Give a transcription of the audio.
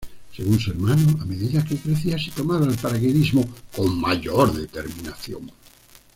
Según su hermano, a medida que crecía, se tomaba el paracaidismo con "mayor determinación".